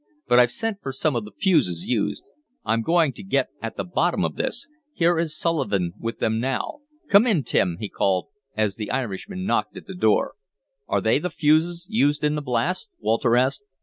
But I've sent for some of the fuses used. I'm going to get at the bottom of this. Here is Sullivan with them now. Come in, Tim," he called, as the Irishman knocked at the door. "Are they the fuses used in the blasts?" Walter asked.